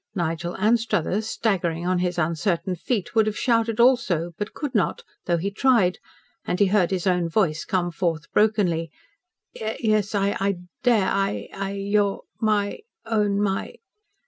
Nigel Anstruthers, staggering on his uncertain feet, would have shouted also, but could not, though he tried, and he heard his own voice come forth brokenly. "Yes, I dare! I your my own my